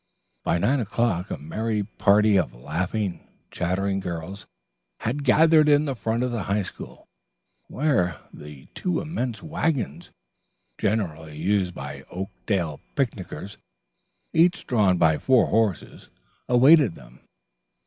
By nine o'clock a merry party of laughing, chattering girls had gathered in front of the High School, where the two immense wagons generally used by Oakdale picnickers, each drawn by four horses, awaited them.